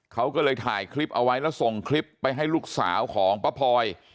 เขาก็เลยถ่ายคลิปเอาไว้แล้วส่งคลิปไปให้ลูกสาวของป้าพลอย